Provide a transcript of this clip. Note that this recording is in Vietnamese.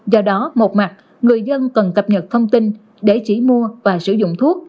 do đó một mặt người dân cần cập nhật thông tin để chỉ mua và sử dụng thuốc